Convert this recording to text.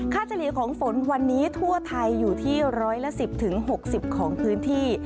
ค่าเจรียร์ของฝนวันนี้ทั่วไทยอยู่ที่๑๑๐๖๐ของพื้นที่